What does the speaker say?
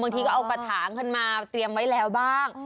ก็เอากระถางขึ้นมาเตรียมไว้แล้วบ้าง